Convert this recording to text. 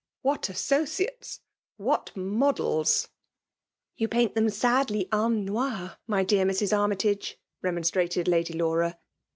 What associates !— what models !'^ Yon paint them sadly en noir, mj dear Mrs. Armytage/* remonstrated Lady Lanra.